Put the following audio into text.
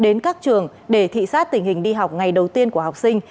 đến các trường để thị sát tình hình đi học ngày đầu tiên của học sinh